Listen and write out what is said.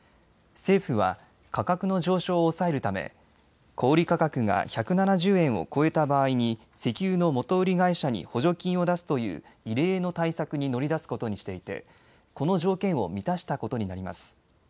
政府は価格の上昇を抑えるため小売価格が１７０円を超えた場合に石油の元売り会社に補助金を出すという異例の対策に乗り出すことにしていてこの条件を満たしたことになります。